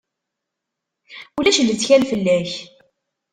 Ulac lettkal fell-as.